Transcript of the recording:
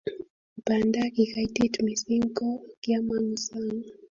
Banda kikaitit missing ko kyamangu saang